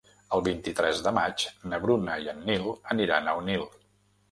El vint-i-tres de maig na Bruna i en Nil aniran a Onil.